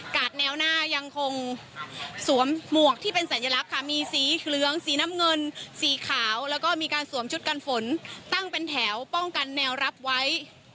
แนวหน้ายังคงสวมหมวกที่เป็นสัญลักษณ์ค่ะมีสีเหลืองสีน้ำเงินสีขาวแล้วก็มีการสวมชุดกันฝนตั้งเป็นแถวป้องกันแนวรับไว้